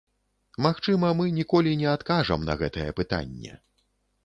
Магчыма, мы ніколі не адкажам на гэтае пытанне.